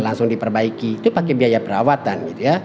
langsung diperbaiki itu pakai biaya perawatan gitu ya